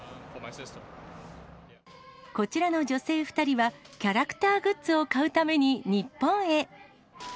こちらの女性２人は、キャラクターグッズを買うために日本へ。